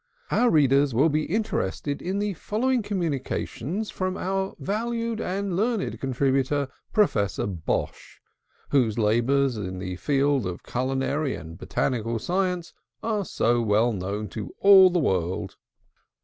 "Our readers will be interested in the following communications from our valued and learned contributor, Prof. Bosh, whose labors in the fields of culinary and botanical science are so well known to all the world.